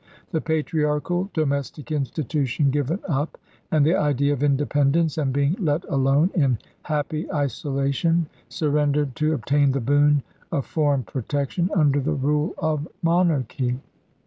The patriarchal domestic institution given up, and the idea of independence and " being let alone " in happy isolation surrendered to obtain the boon of foreign protection under the rule of monarchy.